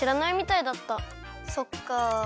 そっかあ。